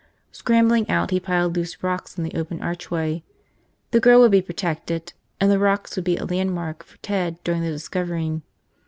Scrambling out, he piled loose rocks in the open archway. The girl would be protected, and the rocks would be a landmark for Ted, doing the discovering.